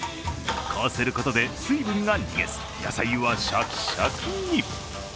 こうすることで水分が逃げず、野菜はシャキシャキ。